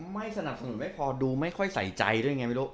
ไม่สนับสนุนไม่พอดูไม่ค่อยใส่ใจด้วยไงไม่รู้